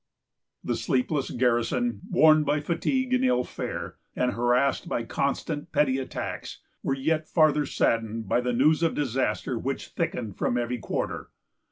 The sleepless garrison, worn by fatigue and ill fare, and harassed by constant petty attacks, were yet farther saddened by the news of disaster which thickened from every quarter.